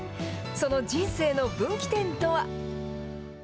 その人生の分岐点とは。